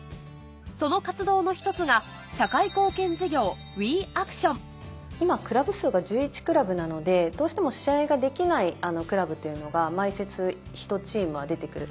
その活動の１つが今クラブ数が１１クラブなのでどうしても試合ができないクラブというのが毎節１チームは出て来る。